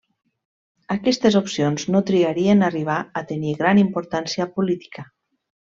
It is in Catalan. Aquestes opcions no trigarien a arribar a tenir gran importància política.